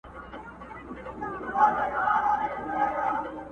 نه له چا سره د مړي د غله غم وو!!